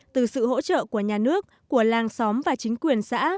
từ sự hỗ trợ của nhà nước của làng xóm và chính quyền xã